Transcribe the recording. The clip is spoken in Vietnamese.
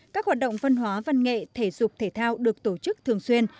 các hoạt động văn hóa văn nghệ thể dục thể thao được tổ chức thường xuyên